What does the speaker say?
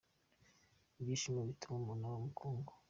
Ibyishimo bituma umuntu aba umukungu